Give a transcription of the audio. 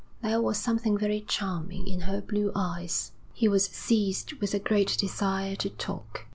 There was something very charming in her blue eyes. He was seized with a great desire to talk.